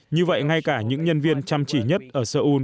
như vậy ngay cả những nhân viên chăm chỉ nhất ở seoul